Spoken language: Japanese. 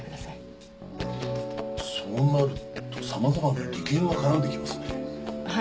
そうなると様々な利権が絡んできますね。